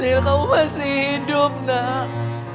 ya kamu masih hidup nak